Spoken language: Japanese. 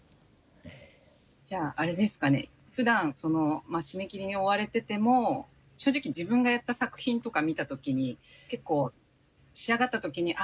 じゃああれですかねふだん締め切りに追われてても正直自分がやった作品とか見た時に結構仕上がった時にあ